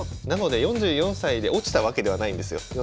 なので４４歳で落ちたわけではないんですよ。